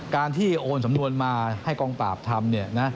การที่โอนสำนวนมาให้กองปราบทำ